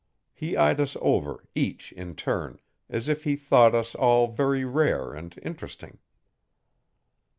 He eyed us over, each in turn, as if he thought us all very rare and interesting.